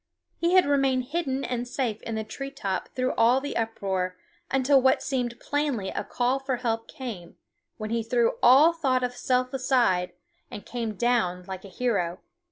He had remained hidden and safe in the tree top through all the uproar, until what seemed plainly a call for help came, when he threw all thought of self aside and came down like a hero.